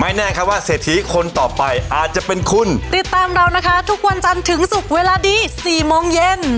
แน่ครับว่าเศรษฐีคนต่อไปอาจจะเป็นคุณติดตามเรานะคะทุกวันจันทร์ถึงศุกร์เวลาดีสี่โมงเย็น